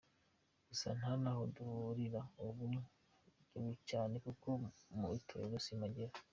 Gusa nta n’aho duhurira ubu cyane kuko mu itorero simpagera.